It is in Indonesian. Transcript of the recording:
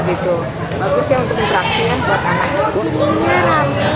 bagus ya untuk interaksi kan buat anak